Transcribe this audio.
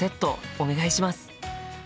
お願いします！